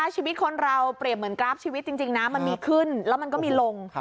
ชีวิตคนเราเปรียบเหมือนกราฟชีวิตจริงนะมันมีขึ้นแล้วมันก็มีลง